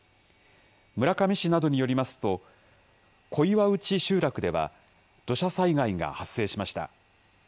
村上市などによりますと、小岩内集落では土砂災害が発生しました。